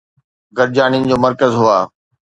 گڏجاڻين جو مرڪز هئا